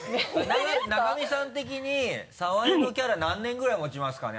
永見さん的に澤井のキャラ何年ぐらい持ちますかね？